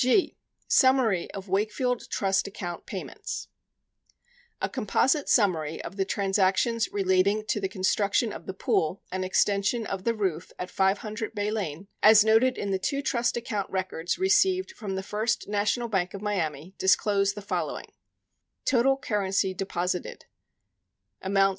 G. Summary of Wakefield Trust Account Payments A composite summary of the transactions relating to the construc tion of the pool and extension of the roof at 500 Bay Lane as noted in the two trust account records received from the First National Bank of Miami disclose the following : Item : Amount Total currency deposited $23, 500.